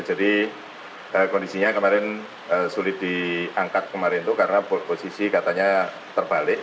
jadi kondisinya kemarin sulit diangkat kemarin itu karena posisi katanya terbalik